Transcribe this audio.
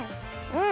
うん！